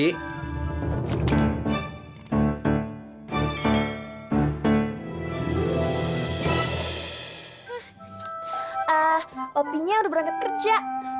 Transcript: ah opinya udah berangkat kerja